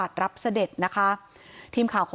ท่านผู้ชมครับ